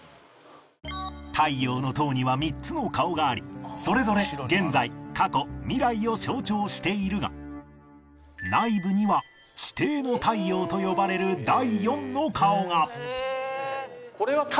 太陽の塔には３つの顔がありそれぞれ現在過去未来を象徴しているが内部には地底の太陽と呼ばれる第４の顔が！